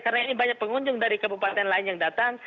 karena ini banyak pengunjung dari kabupaten lain yang datang